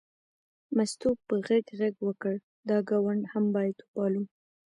مستو په غږ غږ وکړ دا ګاونډ هم باید وپالو.